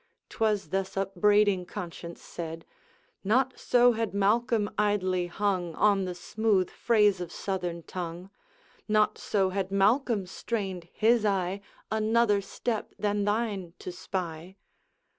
'T was thus upbraiding conscience said, 'Not so had Malcolm idly hung On the smooth phrase of Southern tongue; Not so had Malcolm strained his eye Another step than thine to spy.'